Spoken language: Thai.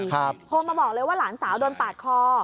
โทรมาบอกเลยว่าหลานสาวโดนปาดคอ